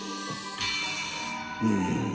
うん。